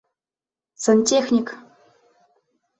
Сантехник!